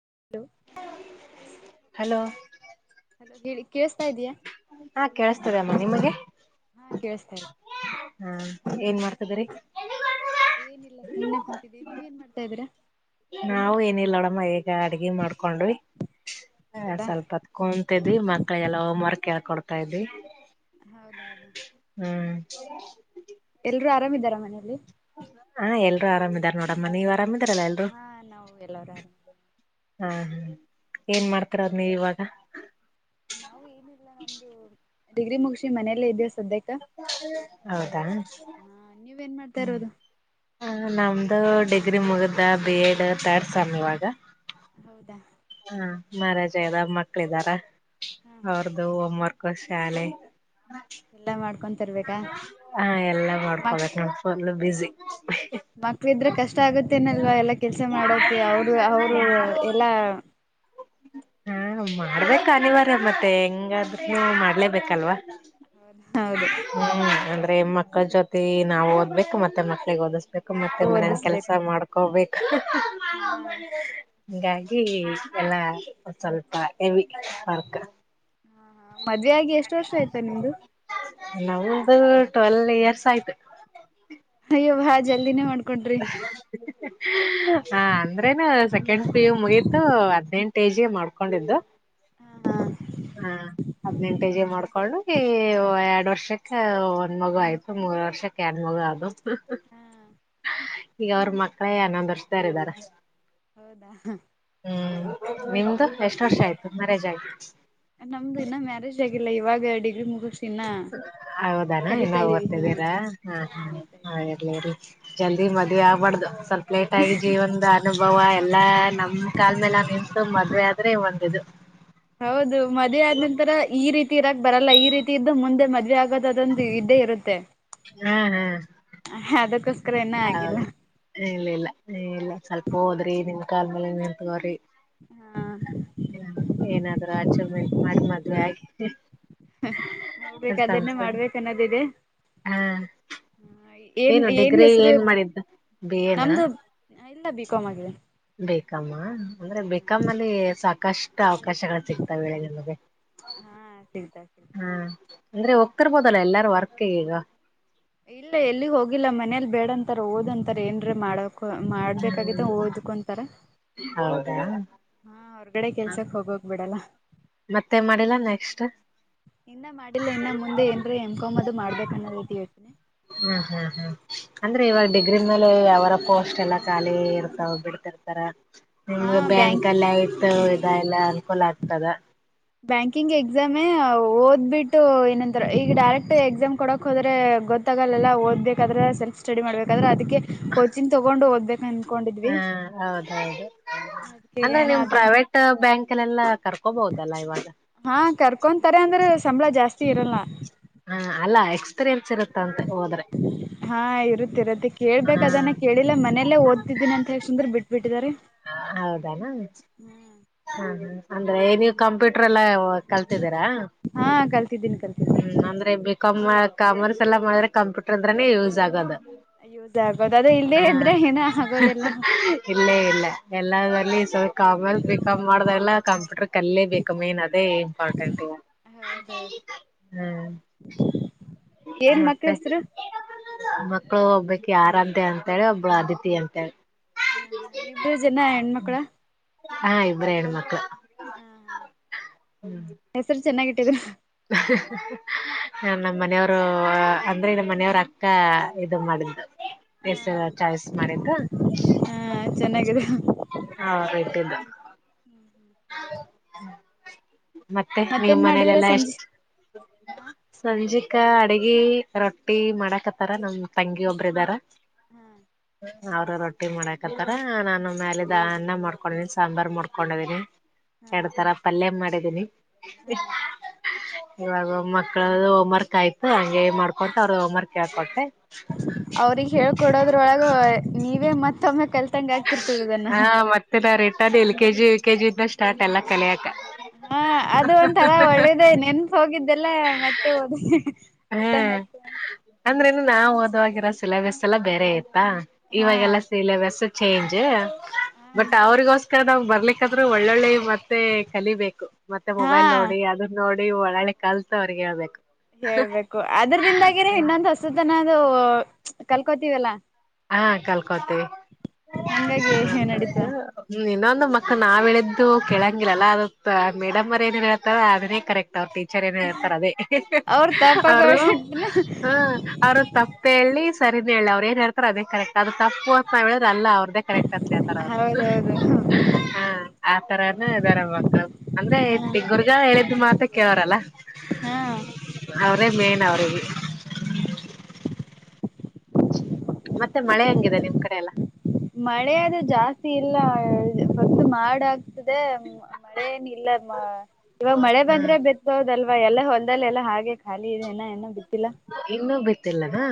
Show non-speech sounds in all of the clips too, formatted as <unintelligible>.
<inaudible> Hello <unintelligible> ಹಾ ಕೇಳಸ್ತದಮ್ಮ ನಿಮಗೆ ಹಾ ಕೇಳಸ್ತಿದೆ ಹಾ ಏನ್ ಮಾಡ್ತಿದರಿ ಏನಿಲ್ಲ ಸುಮ್ನೆ ಕುಂತಿದ್ದಿವೀ ನೀವ ಏನ್ ಮಾಡ್ತಾ ಇದ್ದೀರಾ ನಾವು ಏನಿಲ್ಲ ನೋಡಮ್ಮ ಈಗ ಅಡ್ಗೆ ಮಾಡ್ಕೊಂಡ್ವಿ ಹಾ ಹೌದಾ ಸ್ವಲ್ಪತ್ ಕುಂತಿದ್ವಿ ಮಕ್ಳೀಗೆಲ್ಲ ಹೋಮ್ ವರ್ಕ್ ಹೇಳ್ ಕೊಡ್ತಾ ಇದ್ವಿ ಹೌದೌದಾ <unintelligible> ಲ್ರು ಆರಾಮ ಇದಾರ ಮನೆಯಲ್ಲಿ ಹಾ ಎಲ್ರು ಆರಾಮ ಇದಾರ ನೋಡಮ್ಮ ನೀವ ಹಾ ನಾವು ಎಲ್ಲರು ಆರಾಮ ಇದ್ದೀವಿ ಹಾ ಹ್ಮ್ ಏನ್ ಮಾಡ್ತಿರೋದ್ ನೀವ ಇವಾಗ ನಾವು ಏನಿಲ್ಲ ನಮ್ದು ಡಿಗ್ರಿ ಮುಗ್ಸಿ ಮನೆಯಲ್ಲೇ ಇದ್ದೇವೆ ಸದ್ಯಕ್ ಹೌದಾ ಹಾ ನೀವೇನ್ ಮಾಡ್ತಾ ಹ್ಮ ಇರೋದು ನಮ್ದು ಡಿಗ್ರಿ ಮುಗ್ದ ಬಿ ಎಡ್ ತರ್ಡ್ ಸೆಮ್ ಇವಾಗ ಹೌದಾ ಹಾ ಮಾರಾಜ ಅದ ಮಕ್ಳ ಇದಾರ ಹಾ ಹಾ ಅವ್ರದು ಹೋಮ್ವರ್ಕ್ ಕು ಶಾಲೆ ಎಲ್ಲಾ ಮಾಡ್ಕೊಂ ಹಾ ಎಲ್ಲಾ ಮಾಡ್ಕೊಕ್ ನೋಡ ಫುಲ್ ಬಿಸಿ ಮಕ್ಳಿದ್ರೆ ಕಷ್ಟ ಆಗತ್ತೇನಲ್ವಾ ಎಲ್ಲಾ ಕೆಲ್ಸ ಮಾಡೋಕೆ ಅವರು ಅವರು ಎಲ್ಲಾ ಹಾ ಮಾಡ್ಬೇಕ ಅನಿವಾರ್ಯ ಮತ್ತೆ ಹೆಂಗಾದ್ರುನು ಮಾಡ್ಲೇಬೇಕಲ್ವಾ ಹೌದ ಹೌದು ಹ್ಮ್ ಅಂದ್ರೆ ಮಕ್ಕಳ ಜೊತೆ ನಾವು ಓದ್ಬೇಕು ಮತ್ತೆ ಮಕ್ಳಿಗೆ ಓದಿಸ್ಬೇಕು ಮತ್ತೆ ಮನ್ಯಾನ್ ಕೆಲ್ಸ ಓದಿಸ್ಬೇಕು ಮಾಡ್ಕೋಬೇಕು ಹಾ ಹಿಂಗಾಗಿ ಎಲ್ಲ ಸ್ವಲ್ಪ ಹೆವಿ ವರ್ಕ ಹಾ ಹಾ ಮದ್ವೆ ಆಗಿ ಎಷ್ಟು ವರ್ಷ ಆಯ್ತಾ ನಿಮ್ದು ನಮ್ದು ಟ್ವೆಲ್ವ ಇಯರ್ಸ್ ಆಯ್ತು ಹಯ್ಯವಾ ಜಲ್ದಿನೇ ಮಾಡ್ <unintelligible> ಹಾ ಅಂದ್ರೇನ ಸೆಕೆಂಡ್ ಪಿ ಯು ಮುಗೀತು ಹದ್ನೆೆಂಟ ಏಜಿಗೆ ಮಾಡ್ಕೊಂಡಿದ್ದು ಹಾ ಕೊಂಡು ಎರಡು ವರ್ಷಕ್ಕೆ ಒಂದ ಮಗು ಆಯ್ತು ಮೂರ್ ವರ್ಷಕ್ಕೆ ಎರಡ್ ಮಗು ಆದು ಹಾ ಈಗ ಅವ್ರ ಮಕ್ಕಳೇ ಹನ್ನೊಂದ ವರ್ಷದವರಿದ್ದಾರೆ ಹೌದಾ ಹ್ಮ್ ನಿಮ್ದು ಎಷ್ಟ ವರ್ಷ ಆಯ್ತು ಮ್ಯಾರೇಜಾಗಿ ಇಲ್ಲ ಇವಾಗ ಡಿಗ್ರಿ ಮುಗ ಹೌದಣ ಇನ್ನಾವ್ ಇದ್ದೀವಿ ಹಾ ಓದ್ತಿದಿರಾ ಹ ಹಾ ಓದ್ತಾ ಹ ಇದ್ದೀವಿ ಇರ್ಲಿ ಇರ್ಲಿ ಜಲ್ದಿ ಮದ್ವೆ ಆಗ್ಬಾರ್ದು ಸ್ವಲ್ಪ ಲೇಟ್ ಆಗಿ ಜೀವನ್ದ ಅನುಭವ ಎಲ್ಲಾ ನಮ್ ಕಾಲ ಮೇಲೆ ನಾವ್ ನಿಂತು ಮದ್ವೆ ಆದ್ರೆ ಒಂದು ಇದು. ಹೌದು ಮದ್ವೆ ಆದ್ ನಂತರ ಈ ರೀತಿ ಇರಕ್ ಬರಲ್ಲ ಈ ರೀತಿ ಇದ್ದು ಮುಂದೆ ಮದ್ವೆ ಆಗದ ಅಗೋದದಂತ ಇದ್ದೇ ಇರುತ್ತೆ. ಹ್ಮ್ ಹ್ಮ್ ಅದಕ್ಕೋಸ್ಕರ ಇನ್ನ ಆಗಿಲ್ಲ ಹೌದು ಇಲ್ಲಿಲ್ಲ ಇಲ್ಲ. ಸ್ವಲ್ಪ ಓದ್ರಿ ನಿನ್ ಕಾಲ್ ಮೇಲೆ ನೀನ್ ನಿಂತ್ಕೋರಿ. ಹಾ ಹ ಏನಾದ್ರೂ ಅಚೀವ್ಮೆಂಟ್ ಮಾಡಿ ಮದ್ವೆ ಆಗಿ ನೋಡ್ಬೇಕ ಅದನ್ನೇ <unintelligible> ಮಾಡ್ಬೇಕ ಅನ್ನೋದಿದೆ ಹ್ಮ್ ಏನ್ ಏನು ಡಿಗ್ರಿ ಹೆಸರು ಏನ್ ಮಾಡಿದ್ದು ಬಿ ಎನಾ? ನಮ್ದು ಇಲ್ಲ ಬಿ. ಕಾಂ ಆಗಿದೆ. ಬಿ. ಕಾಂ ಮ್ಮ ಅಂದ್ರೆ ಬಿ ಕಾಂ ಅಲ್ಲಿ ಸಾಕಷ್ಟು ಅವಕಾಶಗಳು ಸಿಗ್ತಾವೆ ನಿಮಗೆ ಹಾ ಸಿಗ್ತಾ ಸಿಗ್ತಾ ಹಾ ಅಂದ್ರೆ ತರ್ಬೋದಲ್ಲ ಎಲ್ಲಾರು ವರ್ಕ್ ಈಗ ಇಲ್ಲ ಎಲ್ಲಿಗ್ ಹೋಗಿಲ್ಲ ಮನೇಲ್ ಬೇಡಂತಾರ ಓದಂತಾರ ಏನ್ರೀ ಮಾಡದ್ ಮಾಡ್ಬೇಕಾಗಿತ್ತ ಓದ್ಕೊಂತರ ಹೌದಾ? ಹಾ ಹೊರ್ಗಡೆ ಕೆಲ್ಸಕ್ ಹೋಗೋಗ್ಬಿಡಲ್ಲ. ಮತ್ತೆ ಮಾಡಿಲ್ಲ ನೆಕ್ಸ್ಟ್ ಇನ್ನ ಮಾಡಿಲ್ಲ ಇನ್ನ ಮುಂದೆ ಏನ್ರ ಎಂ ಕಾಂ ಅದು ಮಾಡ್ಬೇಕನ್ನೋದೈತಿ. ಹ್ಮ್ ಹ್ಮ್ ಹ್ಮ್ ಅಂದ್ರೆ ಇವಾಗ ಡಿಗ್ರಿ ಮೇಲೆ ಯಾವರ ಪೋಸ್ಟ್ ಎಲ್ಲ ಖಾಲಿ ಇರ್ತಾವ ಬಿಡ್ತಿರ್ತಾರ ಹಾ ನಿಮ್ಗೆ ಬ್ಯಾಂಕ್ ಬ್ಯಾಂಕಲೖತು ಇದ ಎಲ್ಲ ಅನುಕೂಲ ಆಗ್ತದ. ಬ್ಯಾಂಕಿಂಗ್ ಎಕ್ಸಾಮೇ ಓದ್ಬಿಟ್ಟು ಏನಂದ್ರ ಈಗ ಡೈರೆಕ್ಟ್ ಎಕ್ಸಾಮ್ ಕೊಡಕ್ ಹೋದ್ರೆ ಗೊತ್ತ್ ತಗಲ್ಲಲ್ಲ ಓದ್ಬೇಕಾದ್ರೆ ಸೆಲ್ಫ್ ಸ್ಟಡಿ ಮಾಡ್ಬೇಕಾದ್ರ ಅದಕ್ಕೆ ಕೋಚಿಂಗ್ ತಗೊಂಡು ಓದ್ಬೇಕ್. ಹಾ ಹೌದೌದು ಅದಕ್ಕೆ ಅಲ್ಲ ಏನ ನಿಮ್ ಅದೇ ಪ್ರೈವೇಟ್ ಬ್ಯಾಂಕಲೆಲ್ಲ ಕರ್ಕೋಬೋದು. ದೆಲ್ಲ ಈವಾಗ ಹಾ ಕರ್ಕೊಂತಾರೆ ಅಂದ್ರ ಸಂಬಳ ಜಾಸ್ತಿ ಇರಲ್ಲ. ಹಾ ಅಲ್ಲಾ ಎಕ್ಸ್ಪೀರಿಯನ್ಸ್ ಇರುತ್ತ ಅಂದೆ. ಹಾ ಇರುತ್ತಿ ಇರತ್ತೆ ಹಾ ಕೇಳ್ಬೇಕಕ್ ಅದನ್ನ ಕೇಳಿಲ್ಲ ಮನೇಲ್ಲೇ ಓದ್ತಿದಿನಿ ಅಂತ ಹೇಳ ಸುಂದ್ರ ಬಿಟ್ಬಿಟ್ಟ. ಇದಾರೆ. ಹೌದಾನ? ಹ ಅಂದ್ರೆ ನೀವ್ ಕಂಪ್ಯೂಟರೆಲ್ಲ ಕಲ್ತಿದ್ದೀರಾ ಹಾ ಕಲ್ತಿದ್ದೀನಿ ಕಲ್ತಿದ್ದೀನಿ ಹ್ಮ್ ಅಂದ್ರೆ ಬಿ. ಕಾಂ ಮಾ ಕಾಮರ್ಸ್ ಎಲ್ಲಾ ಮಾಡಿದ್ರೆ ಕಂಪ್ಯೂಟರ್ ಅಂದ್ರನೇ ಯೂಸ್ ಆಗೋದು. ಯೂಸ್ ಆಗೋದು ಅದೇ ಇಲ್ಲೇ ಹಾ ಇದ್ರೆ ಏನ ಆಗೋದಿಲ್ಲ ಇಲ್ಲ ಇಲ್ಲ ಎಲ್ಲದ್ ಲ್ಲಿ ಸ ಕಾಮರ್ಸ್ ಬಿ ಕಾಂ ಮಾಡದಲ್ಲ ಕಂಪ್ಯೂಟರ್ ಕಲಿಲೇ ಬೇಕು ಮೈನ್ ಆಗಿ ದೇ ಇಂಪಾರ್ಟೆಂಟು ಹೌದೌದು ಹ್ಮ್. ಏನ್ ಮಕ್ಳ ಮತ್ತೆ ಹೆಸರು ಮಕ್ಕಳು ಹೋಗ್ಬೇ ಕ್ಯರಾಧ್ಯೇ ಅಂತೇಳಿ ಒಬ್ಬಳು ಅದಿತಿ ಅಂತೇಳಿ. ಹಾ ಹ ಇಬ್ರು ಜನ ಹೆಣ್ಮಕ್ಳ? ಹಾ ಇಬ್ರೇ ಹೆಣ್ ಮಕ್ಳು. ಹಾ ಹ ಹೆಸರು ಚೆನ್ನಾಗಿಟ್ಟಿದಿರ. ಹ ನಮ್ಮ ಮನೆಯವರು ಅಂದ್ರೆ ನಮ್ಮ ಮನೆಯವ್ರ ಅಕ್ಕ ಇದು ಮಾಡಿದ್ದು. ಹ ಹೆಸ್ರು ಹಾ ಚಾಯ್ಸ್ ಮಾಡಿದ್ದು ಹಾ ಚೆನ್ನಾಗಿದೆ ಅವರೇ ಇ ಟ್ಟಿದ್ದು. ಹ <unintelligible> ಮತ್ತೆ ನೀವ್ ಮತ್ತೇನ್ ಮಾಡಿದೀರ ಮನೇಲೆೆಲ್ಲ ಸಂಜೆ ಎಷ್ಟು ಸಂಜೆ ಅಕ್ಕ ಅಡಗಿ ರೊಟ್ಟಿ ಮಾಡಕತ್ತಾರ ನಮ್ ತಂಗಿ ಒಬ್ರ ಇದಾರ. ಹ್ಮ್ ಅವ್ರ ರೊಟ್ಟಿ ಮಾಡಕತ್ತಾರ ನಾನು ಮ್ಯಾಲೆದ ಅನ್ನ ಮಾಡ್ಕೊಂಡೀನಿ ಸಾಂಬಾರ್ ಮಾಡ್ಕೊಂಡದೀನಿ. ಎರಡ್ತರ ಪಲ್ಯ ಮಾಡಿದ್ದೀನಿ. ಇವಾಗ ಮಕ್ಕಳ ಹೋಮ್ವರ್ಕ್ ಆತ್ತು ಹಂಗೆ ಮಾಡ್ಕೊೊಂಡು ಅವ್ರ ಹೋಮ್ವರ್ಕ್ ಕೇಳ್ಕೊಟ್ಟೆ. ಅವ್ರಗ್ ಹೇಳ್ಕೊಡೋದ್ರೊಳಗ ನೀವೇ ಮತ್ ಹಾ ಮತ್ತೆ ನಾ ರಿಟ L K G U KG ಇದನ ಸ್ಟಾರ್ಟ್ ಎಲ್ಲ ಕಲಿಯಕ ಹಾ ಅದು ಒಂಥರಾ ಒಳ್ಳೇದ ನೆನ್ಪ ಹೋಗಿದ್ದೆಲ್ಲ ಮತ್ತೆ ಹಓದ ಒದಂಗಯ್ತು ಅಂದ್ರೆನು ನಾವು ಓದಾಗಿರೋ ಸಿಲೆಬಸ್ ಎಲ್ಲ ಬೇರೆ ಇತ್ತ ಹಾ ಇವಾಗೆಲ್ಲಾ ಸಿಲೆಬಸ್ ಚೇಂಜ್ ಬಟ್ ಅವ್ರಿಗೋಸ್ಕರ ನಾವ್ ಬರ್ಲಿಕ್ಕಾದ್ರೂ ಒಳ್ಳೊಳ್ಳೆ ಮತ್ತೆ ಕಲಿಬೇಕು. ಮತ್ತೆ ಹಾ ಮೊಬೈಲ್ ನೋಡಿ ಅದ್ರ ನೋಡಿ ಒಳ್ಳೊಳ್ಳೆ ಕಲ್ತ್ ಅವ್ರಗ್ ಹೇಳ್ಬೇಕು. ಹೇಳ್ಬೇಕು ಅದ್ರದಿಂದಾಗಿನ ಇನ್ನೊಂದು ಹೊಸತನದು ಕಲ್ಕೋತೀವಲ್ಲಾ. ಹಾ ಕಲ್ಕೊತ್ತ ಹಂಗಾಗಿ ನಡೀತ ಇನ್ನೊ ಒಂದು ಮಕ್ಕಳ ನಾವ ಹೇಳಿದ್ದು ಕೇಳಂಗಿರಲ್ಲ ಅದ ಮೇಡಮ್ರ್ ಏನ ಹೇಳ್ತಾರೆ ಅದನ್ನೇ ಕರೆಕ್ಟ್ ಅವ್ರ ಟೀಚರ್ ಏನ ಇರ್ತಾರ ಅದೇ ಅವ್ರ ಅವರು ತಪ್ಪಾಗಟ್ಟನ ಹ್ಮ ಅವ್ರ ತಪ್ಪೇ ಹೇಳಿ ಸರಿನೇ ಹೇಳಿ ಅವ್ರು ಏನ್ ಹೇಳ್ತಾರ ಅದೇ ಕರೆಕ್ಟ್ ಅದು ತಪ್ಪು ಅಂತ ನಾವ ಹೇಳ ಅಲ್ಲ ಅವ್ರ್ದೇ ಕರೆಕ್ಟ್ ಅತ್ರಿ ಆತರ ಅವರು ಹೌದೌದು ಹಾ ಆತರಾನ ಇದರಬೇಕು ಅಂದ್ರೆ ಇತ್ತ ಗುರ್ಗ ಹೇಳಿದ ಮಾತ ಕವಾರಲ್ಲ ಹಾ ಅವ್ರೇ ಮೇನ್ ಅವ್ರ ನಿಮ್ ಕಡೆ ಎಲ್ಲ ಮಳೆ ಜಾಸ್ತಿ ಇಲ್ಲ ಫಸ್ ಮಾಡಾಕ್ ತದೆ ಮಳೆ ಏನ ಇಲ್ಲ ಇವಾಗ ಮಳೆ ಬಂದ್ರೆ ಹ್ಮ್ ಬಿತ್ಬಹದಲ್ವಾ ಎಲ್ಲ ಹೊಲ್ದಲ್ಲಿ ಎಲ್ಲಾ ಹಾಗೆ ಖಾಲಿ ಇದೆನ ಎನ ಬಿ ಇನ್ನೂ ಬಿತ್ತಿಲ್ಲ ನಾ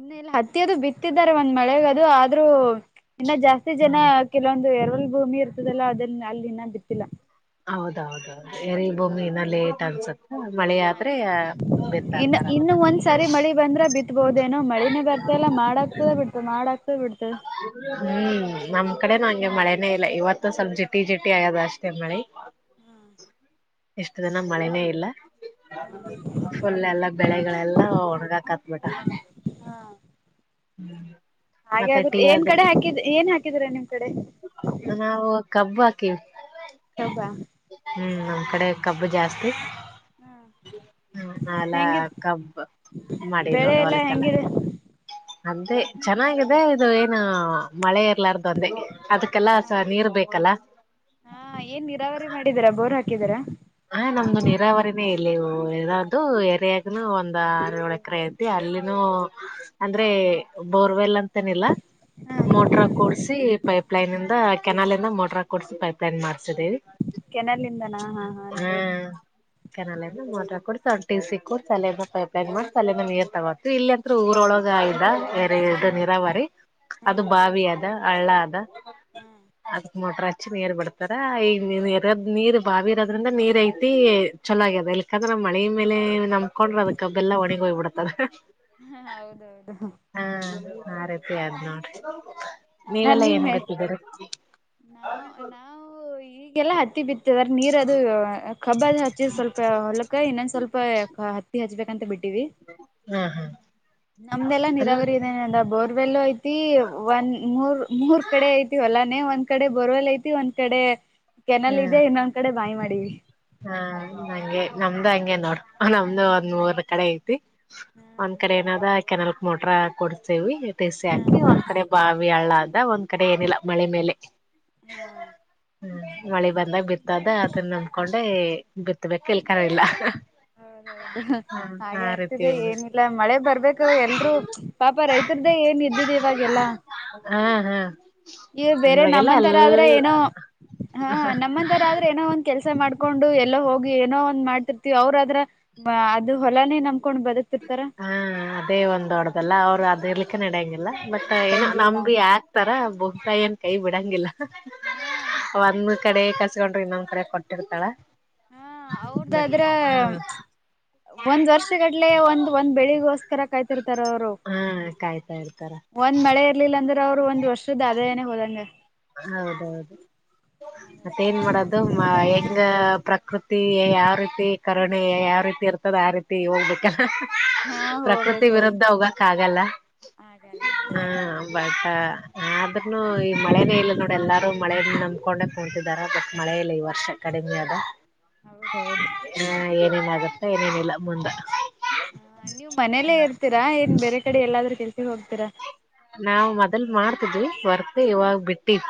ಇ ಇಲ್ಲ ಹತ್ತಿ ಅದು ಬಿತ್ತಿದ್ದಾರೆ ಒಂದ್ ಮಳೆಗದು ಆದ್ರೂ ಇನ್ನ ಜಾಸ್ತಿ ಜನ ಹ್ಮ್ ಕೆಲವೊಂದು ಎ ಭೂಮಿ ಇರ್ತದಲ್ಲ ಅದ ಅಲ್ಲಿ ಇನ್ನ ಬಿತ್ತಿಲ್ಲಾ. ಹೌದ ಹೌದುೌದು ಎರಿ ಭೂಮಿನ ಲೇಟ್ ಅನ್ಸುತ್ತೆ ಮಳೆ ಹ ಆದ್ರೆ ಇನ್ನು ಬಿತ್ತಾತಾರ ಇನ್ನು ಅದನ್ನ ಒಂದ್ಸರಿ ಮಳಿ ಬಂದ್ರೆ ಬಿತ್ಬೋದೇನೋ ಮಳಿನೇ ಬರ್ತ ಲ್ಲ ಮಾಡಾಕ್ತದೆೇ ಬಿಡ್ತು ಮಾಡಕ್ದ ಬಿಡ್ತು. ಹ್ಮ್ ನಮ್ ಕಡೆ ನಂಗೆ ಮಳೆನೇ ಇಲ್ಲ ಇವತ್ತು ಸ್ವಲ್ಪ ಜಿಟಿ ಜಿಟಿ ಆಗದ ಅಷ್ಟೇ ಮಳಿ ಹ್ಮ್ ಇಷ್ಟು ದಿನ ಮಳೆನೇ ಇಲ್ಲ ಫುಲ್ ಎಲ್ಲ ಬೆಳೆಗಳೆಲ್ಲ. ಕತ್ ಬಟ ಹ್ಮ ಹಾಗೆ ಆಗುತ್ತೆ ಏನ್ ಕಡೆ ಹಾಕಿದ ಏನ್ ಹಾಕಿದ್ರಾ ನಿಮ್ ಕಡೆ ನಾವು ಕಬ್ಬು ಹಾಕಿವ ಕಬ್ಬ ಅಕಡೆ ಕಬ್ಬು ಜಾಸ್ತಿ ಹ್ಮ ಹ್ಮ ನಾವೆಲ್ಲ ಹೆಂಗತ್ ಕಬ್ಬು ಬೆಳೆ ಎಲ್ಲ ಹೆಂಗಿದೆ. ಅದೆ ಚೆನ್ನಾಗಿದೆ ಇದು ಏನ ಮಳೆ ಲಾರ್ದಂದೆ ಹಾ ಅದಕ್ಕೆಲ್ಲ ಸ ನೀರ್ ಬೇಕಲ್ಲ ಹಿದೀರಾ ಹ ನಮ್ದು ನೀರಾವರಿನೇ ಇಲ್ಲಿ ಯದಾದ್ದೂ ಎರಿಯಾಗನು ಒಂದ್ ಆರ ಏಳು ಎಕರೆ ಐತಿ ಅ ಅಲ್ಲಿನು ಅಂದ್ರೆ ಬೋರ್ವೆಲ್ ಅಂತ್ ಅಂತೇನಿಲ್ಲ ಮೋಟ್ರ ಕೂಡಸಿ ಪೈಪ್ಲೈನ್ಂದ ಹಾ ಕೆನಾಲಂದ ಮೋಟ್ರಿ ಕುಡಸಿಸಿ ಪೈಪ್ಲೈನ್ ಮಾಡಸಿದೀವಿ. ಕೆನಲಿಂದನ ಹಾ ಹಾ ಹಾ ನಡಿಯತ್ ಕೆನಾಲ ಎಲ್ಲ ಮೋಟ್ರ ಕೊಡ್ ಸಟಿ ಸಿಕ್ಕು ತಲೆನ ಪೈಪ್ಲೈನ್ ಮಾಡಿ ತಲನ ನೀರ್ ತಗೋತು ಇಲ್ಲಂ ಊರೊಳಗ ಆಯ ಎರೆ ನೀರಾವರಿ ಅದು ಬಾವಿ ಅದ ಹಳ್ಳ ಅದ ಅದಕ್ ಮೊಟ್ರ ಹಚ್ಚಿ ನೀರ್ ಬಿಡ್ತಾರ ಈರದ ನೀರ್ ಬಾವಿರ ಅದ್ರಿಂದ ನೀರ್ ಐತಿ ಛಲೋ ಆಗ್ಯದ ಇಲ್ಲಕಂದ್ರ ಮಳೆ ಮೇಲೆ ನಮ್ ಹಕೊಂಡ್ರ ಅದಕ್ಕ ಬೆಲ್ಲ ಒಣಿಗ ಹೋಗ್ ಬಿಡ್ತಾರ ಹಾ ಹೌದೌದು ಹಾ. ಆ ರೀತಿ ಅದ್ ನೋಡ್ರಿ ನಾನ್ ನೀವೆಲ್ಲಾ ಏನ್ ನಿಮ್ಮೆ ಗೊತ್ತಿದರಿ. ನಾವ್ ನಾವು ಈಗೆಲ್ಲಾ ಹತ್ತಿ ಬಿತ್ತು ನೀರ್ ಅದು ಕಬ್ಬ ಅ ಹಚ್ಚಿ ಸ್ವಲ್ಪ ಹೊಲಕ್ಕ ಇನ್ನೊಂದ್ ಸ್ವಲ್ಪ ಹತ್ತಿ ಹಚ್ಬೇಕಂತ ಬಿಟ್ಟ ಹಾ ಹಾ. ಹ <inaudible> ನಮ್ದೆಲ್ಲಾ ನೀರಾವರಿ ಇದೆೇನ ಅಂದ ಬೋರ್ವೆಲ್ ಐತಿ ಒಂದ ಮೂರ್ ಮೂರ್ ಕಡೆ ಐತಿ ಹೊಲಾ ಮನೆ ಒಂದ್ ಕಡೆ ಬೋರ್ವೆಲ್ ಐತಿ ಒಂದ್ ಕಡೆ ಕೆನಲ್ ಹ್ಮ್ ಇದೆ ಇನ್ನೊಂದ್ ಕಡೆ ಬಾವಿ ಮಾಡೀವಿ. ಹಾ ನಂಗೆ ನಮ್ದ ಹಂಗೆ ನೋಡ್ ನಮ್ದು ಒಂದ್ ಮೂರ್ ಕಡೆ ಐತಿ ಒಂದ್ ಕಡೆ ಏನಾದ ಕೆನಲ್ಕ್ ಮೋಟ್ರ ಕೊಡ್ತೇವಿ ಟಿಸಿ ಹಾಕಿ ಒಂದ್ ಕಡೆ ಬಾ ಹಳ್ಳ ಅಂದ ಒಂದ್ ಕಡೆ ಏನಿಲ್ಲ ಮಳೆ ಮೇಲೆ. ಹ್ಮ್. ಹ್ಮ್ ಮಳೆ ಬಂದಾಗ ಬಿತ್ತದ ಅದನ್ನ ನಂದಕೊಂಡೆ ಬಿತ್ತಬೇಕ್ ಇಲ್ಕರ್ ಇಲ್ಲ. ಹೌದ. ಹೌದು ಆ ಹಾಗೆ ರೀತಿ ಆಗ್ತಿದೆ ಏನಿಲ್ಲ ಮಳೆ ಬರ್ಬೇಕು ಎಲ್ರು ಪಾಪ ರೈತರ್ದೇ ಏನ್ ಇದ್ <unintelligible> ಇವಾಗೆಲ್ಲ. ಹಾ ಹಾ. ಇ ಬೇರೆ ಇವಾಗೆಲ್ಲ ಎಲ್ ನಮ್ಮಂತರ ಆದ್ರ ಏನೋ ಹಾ ನಮ್ಮಂತರ ಆದ್ರ ಏನೋ ಒಂದ್ ಕೆಲ್ ಸ ಮಾಡ್ಕೊಂಡು ಎಲ್ಲೋ ಹೋಗಿ ಏನೋ ಒಂದ್ ಮಾಡ್ತಿರ್ತಿವಿ ಅವ್ರದ್ರ ಅದು ಹೊಲಾನೇ ನಂಬ್ಕೊಂಡ್ ಬದು ಹಾ ಅದೇ ಒಂದೊಡ್ದಲ್ಲ ಅವ್ರು ಅದ ಇರ್ಲಿಕ್ಕೆ ನಡಂಗ ಲ್ಲ ಬಟ್ ಏನೋ ನಡೆಂಗಿಲ್ಲ ನಮ್ ಆ ತರ ಭೂಮಿ ತಾಯ್ ಏನ್ ಕೈ ಬಿಡಂಗಿಲ್ಲ. ಹಾ ಒಂದ್ ಕಡೆ ಕಸ್ಕೊಂಡ್ರೆ ಇನ್ನೊಂದ್ ಕಡೆ ಕೊಟ್ಟಿರ್ತಾಳ. ಹಾ ಬಟ್ ಅವ್ರದಾದ್ರ ಹ್ಮ ಒಂದ್ ವರ್ಷಗಡ್ಲೆ ಒಂದ್ ಒಂದ್ ಬೆಳಿಗೋಸ್ಕರ ಕಾಯ್ತಿರ್ತಾರ ಅವರು ಹಾ ಕಾಯ್ತಾ ಇರ್ತಾರ ಒಂದ್ ಮಳೆ ಇರ್ಲಿಲ್ಲ ಅಂದ್ರೆ ಅವ್ರು ಒಂದ್ ವರ್ಷದ ಆದಾಯನೇ ಹೋದಂಗ. ಹೌದೌದು ಮತ್ತೇನ್ ಮಾಡೋದು ಮಾ ಹೆಂಗ ಪ್ರಕೃತಿ ಯಾವ ರೀತಿ ಕರುಣಿ ಯಾವ ರೀತಿ ಇ ತದ ಆ ರೀತಿ ಹೋಗ್ಬೇಕಾ. ಹಾ ಪ್ರಕೃತಿ ಹೋಗ್ಬೇಕು ವಿರುದ್ಧ ಹೋಗಕ ಆಗಲ್ಲ ಆಗಲ್ಲ ಆಗಲ್ಲ ಹಾ ಬ ಹ ಆದ್ರನು ಈ ಮಳೆ ನೋಡಿ ಎಲ್ಲಾರೂ ಮಳೆನೆ ನಂಬ್ಕೊಂಡು ಕೂತಿದಾರ ಬಟ್ ಮಳೆ ಇಲ್ಲ ಈ ವರ್ಷ ಕಡಿಮೆ ಅದ. ಹೌದು. ಏನೇನ್ ಆಗುತ್ತಾ ಏನೇನಿಲ್ಲ ಮುಂದ. ಹ ನೀವ್ ಮನೇಲ್ಲೇ ಇರ್ತೀರಾ ಏನ್ ಬೇರೆ ಕಡೆ ಎಲ್ಲಾದ್ರೂ ಕೆಲ್ಸಗ್ ಹೋಗ್ತೀರಾ. ನಾವ್ ಮೊದಲ್ ಮಾಡ್ತಿದ್ವಿ ವರ್ಕ್ ಇವಾಗ ಬಿಟ್ಟಿವಿ.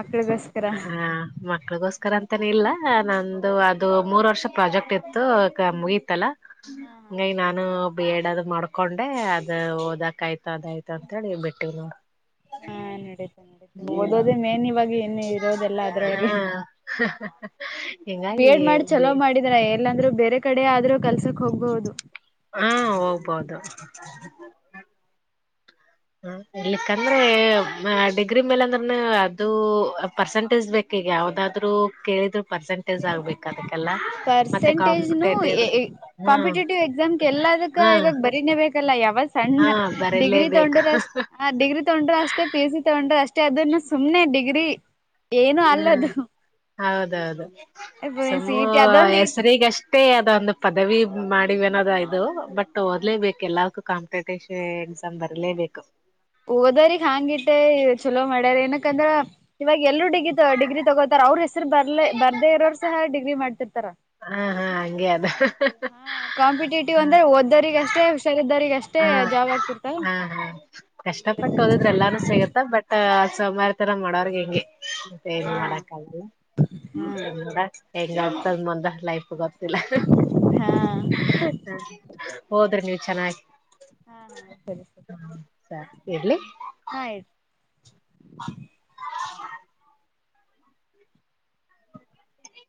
ಮಕ್ಳಿಗೋಸ್ಕರ ಹಾ ಮಕ್ಳಗೋಸ್ಕರ ಅಂತಾನೇ ಇಲ್ಲ. ಲ್ಲ ನಂದು ಅದು ಮೂರ್ ವರ್ಷ ಪ್ರಾಜೆಕ್ಟ್ ಇತ್ತು ಅದ್ ಮುಗಿತ್ತಲ್ಲಾ. ಹ ಹಾ ಹಂಗಾಗಿ ನಾನು ಬಿಎಡ್ ಅದು ಮಾಡ್ಕೊಂಡೆ ಅದ ಓದಕ ಆಯ್ತ ಅದಾಯ್ತು. ಅಂತೇಳಿ ಬಿಟ್ಟೀವ್ ನೋಡ್ರಿ. ಹಾ ನಡೀತೆ ನಡೀತೆ ಓದೋದೇ ಮೇನ್ ಇವಾಗ ಇನ್ ಇರೋದೆಲ್ಲ ಅದರೊಳಗೆ ಹಾ ಬಿ ಹಿಂಗಾಗಿ ಎಡ್ ಮಾಡಿ ಬಿ ಚಲೋ ಮಾಡಿದ್ರ ಎ ಲ್ಲಾಂದ್ರೂ ಬೇರೆ ಕಡೆ ಆದ್ರೂ ಕೆಲ್ಸಕ್ ಹೋಗ್ಬಹುದು. ಹಾ ಹೋಗ್ಬೋದು. ಹಾ ಇರ್ಲಿಕ್ಕಂದ್ರೆ ಡಿಗ್ರಿ ಮೇಲೆ ಅಂದ್ರನು ಅದು ಪರ್ಸೆಂಟೇಜ್ ಬೇಕ. ಈಗ ಯಾವದಾದ್ರು ಕೇಳಿದ್ ಪರ್ಸೆಂಟೇಜ್ ಆಗ್ಬೇಕ್ ಅದಕ್ಕೆಲ್ಲ ಮತ್ತೆ ಪರ್ಸೆಂಟೇಜ್ನು ಕಾಂಪಟೇಟಿವ್ ಹ್ಮ್. ಅದಕ್ಕ ಇವಾಗ ಬರೀನೆೇ ಬೇಕಲ್ಲ ಯಾ ಹಾ ಸಣ್ಣ ಡಿಗ್ರಿ ಬರಲೇಬೇಕು ತಗೊಂಡ್ರು ಅಷ್ಟ ಡಿಗ್ರಿ ತಗೊಂಡ್ರು ಅಷ್ಟೇ ಪಿ ಎಸ್ ಸಿ ತಗೊಂಡ್ರು ಅಷ್ ಅಷ್ಟೆ ಅದನ್ನ ಸುಮ್ನೆ ಡಿಗ್ರಿ ಏನು ಹ್ಮ್ ಅಲ್ಲದು. ಹೌದೌದು ಸಿ ಸುಮ್ಮೂ ಇಟಿ ಅದೊಂದು ಹೆಸರಿಗಷ್ಟ. ಮತ್ತೆ ಅದೊಂದು ಪದವಿ ಮಾಡಿವೆ ಅನೋದ ಇದು ಬಟ್ ಓದ್ಲೇಬೇಕು ಎಲ್ಲಕ್ಕೂ ಕಾಂಪಿಟೇಷನ್. ಸ ಬರ್ಲೇಬೇಕು. ಓದರಿಗ್ ಹಾಂಗ ಇಟ್ಟ ಚಲೋ ಮಾಡ್ಯಾರ ಏನಕಂದ್ರ. ಇವಾಗ ಎಲ್ರು ಡಿಗ್ರ ಡಿಗ್ರಿ ತಗೋತಾರ ಅವ್ರ ಹೆಸರು ಬರ್ಲೇ ಬರ್ದೇ ಇರೋರು ಸಹ ಡಿಗ್ರಿ ಮಾಡ್ತಿರ್ತಾರ. ಹಾ ಹಾ ಹಂಗೆ ಅದ ಹ ಕಾಂಪಿಟೇಟಿವ್ ಹಾ ಅಂದ್ರೆ ಓದ್ದೋರಿಗ ಅಷ್ಟ. ಅಷ್ಟೇ ಹುಸಾರಿದ್ದಾರ ಈಗ ಅಷ್ಟೇ ಜಾಬ್ ಆಗತಾ ಹಾ ಹಾ ಕಷ್ಟಪಟ್ಟು ಓದಿದ್ರೆಲ್ಲಾನು ಸಿಗುತ್ತ ಬಟ್ ಆ ಸೊಮಾರಿತನ ಮಾಡೋರ್ಗ್ ಹಿಂಗೆ. ಮತ್ತೆ ಹೆಂಗ ಹಾ ಮಾಡೋಕ್ಗಲ್ಲ ಹಾ ನೋಡ ಹೆಂಗ ಆತದ ಮುಂದ. ಲೈಫ ಗೊತ್ತಿಲ್ಲ ಹಾ ಓದ್ರಿ ನೀವ ಚೆನ್ನಾಗಿ. ಹಾ ಹಾ ಸರಿ ಸರಿ. ಇಡ್ಲಿ ಹಾಯ್